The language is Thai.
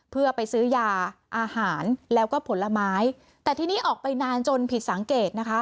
เพื่อไปซื้อยาอาหารแล้วก็ผลไม้แต่ทีนี้ออกไปนานจนผิดสังเกตนะคะ